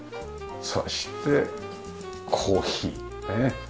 そしてコーヒー陶器。